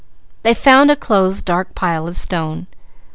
They found a closed dark pile of stone.